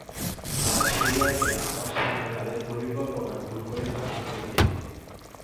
তারা সেই রাতে আমার সামনে তাদের পরিকল্পনা ভুল করে ফাঁস করে দিয়েছিল।